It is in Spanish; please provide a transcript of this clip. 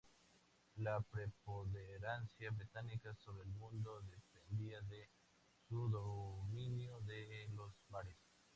La preponderancia británica sobre el mundo dependía de su dominio de los mares.